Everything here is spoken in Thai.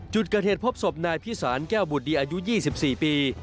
จุดเกิดเหตุพบศพนายพิสารแก้วบุตรดีอายุ๒๔ปี